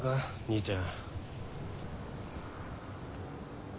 兄ちゃん。